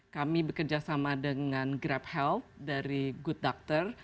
kami bekerjasama dengan grab health dari good doctor